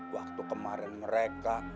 waktu kemarin mereka